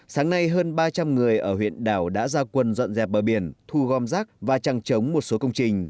sáng nay hơn ba trăm linh người ở huyện đảo đã ra quân dọn dẹp bờ biển thu gom rác và trăng trống một số công trình